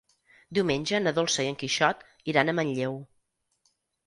Diumenge na Dolça i en Quixot iran a Manlleu.